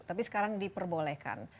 tapi sekarang diperbolehkan